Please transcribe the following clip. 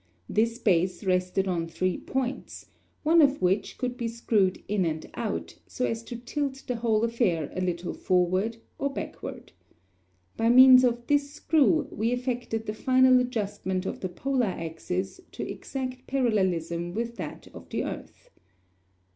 This base rested on three points, one of which could be screwed in and out, so as to tilt the whole affair a little forward or backward. By means of this screw we effected the final adjustment of the polar axis to exact parallelism with that of the earth.